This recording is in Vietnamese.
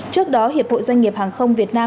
trước đó hiệp hội doanh nghiệp hàng không việt nam